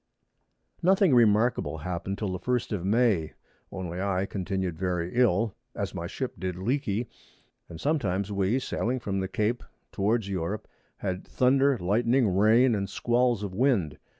Nothing remarkable happen'd till the 1st of May, only I continued very ill, as my Ship did leaky, and sometimes we [Sidenote: Sailing from the Cape towards Europe.] had Thunder, Lightning, Rain, and Squalls of Wind.